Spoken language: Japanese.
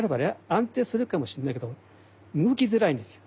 安定するかもしんないけど動きづらいんですよ。